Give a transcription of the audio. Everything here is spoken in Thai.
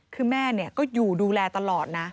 คือแม่ก็อยู่ดูแลตลอดนะ